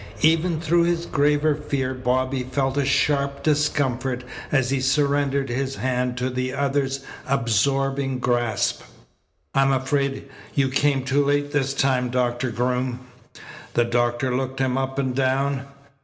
Even through his graver fear Bobby felt a sharp discomfort as he surrendered his hand to the other's absorbing grasp. "I'm afraid you came too late this time, Doctor Groom." The doctor looked him up and down.